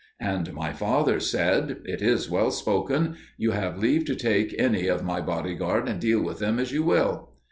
And my father said, 'It is well spoken: you have leave to take any of my bodyguard and deal with them as you will.'"